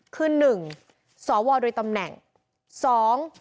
คือ๑สวโดยตำแหน่ง